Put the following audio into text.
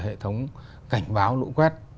hệ thống cảnh báo lũ quét